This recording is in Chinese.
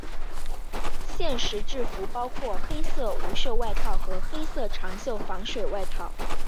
现时制服包括黑色无袖外套和黑色长袖防水外套。